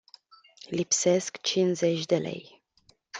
Lipsesc cincizeci de lei.